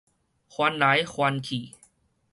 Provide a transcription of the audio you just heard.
翻來翻去